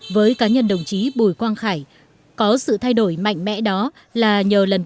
với cá nhân đồng chí bùi quang khải có sự thay đổi mạnh mẽ đó là nhờ lần